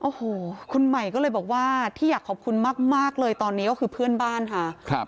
โอ้โหคุณใหม่ก็เลยบอกว่าที่อยากขอบคุณมากเลยตอนนี้ก็คือเพื่อนบ้านค่ะ